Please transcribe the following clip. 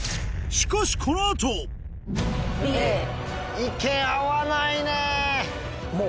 しかしこの後意見合わないね。